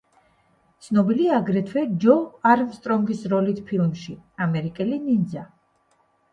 ცნობილია აგრეთვე ჯო არმსტრონგის როლით ფილმში „ამერიკელი ნინძა“.